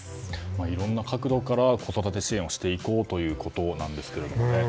いろんな角度から子育て支援をしていこうということですね。